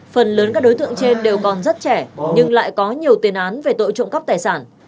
phần lớn các đối tượng trên đều còn rất trẻ nhưng lại có nhiều tiền án về tội trộm cắp tài sản